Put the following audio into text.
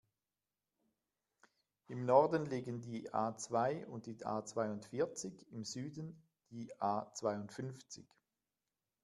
Im Norden liegen die A-zwei und die A-zweiundvierzig, im Süden die A-zweiundfünfzig.